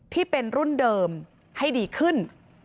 ที่เป็นรุ่นเดิมให้ดีขึ้น